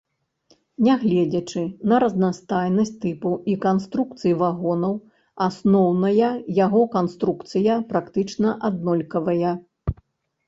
Нягледзячы на разнастайнасць тыпаў і канструкцый вагонаў, асноўная яго канструкцыя практычна аднолькавая.